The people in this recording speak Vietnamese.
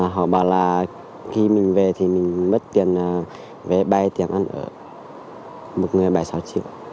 họ bảo là khi mình về thì mình mất tiền về bay tiền ăn ở một người bảy mươi sáu triệu